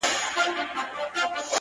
زه چي د شپې خوب كي ږغېږمه دا،